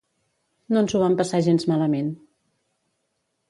No ens ho vam passar gens malament.